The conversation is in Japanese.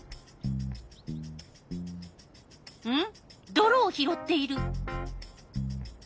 どろを拾っている。